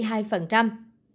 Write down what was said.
số ca nặng tăng chín hai